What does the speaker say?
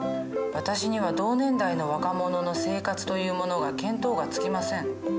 私には同年代の若者の生活というものが検討がつきません。